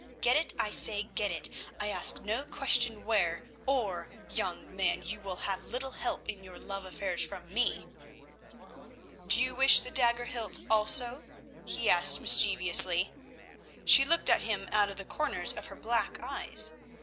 Get it, I say get it—I ask no question where—or, young man, you will have little help in your love affairs from me." "Do you wish the dagger hilt also?" he asked mischievously. She looked at him out of the corners of her black eyes.